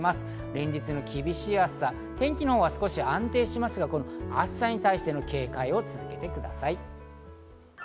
連日厳しい暑さ、天気は少し安定しますが、暑さに対して警戒を続けてください。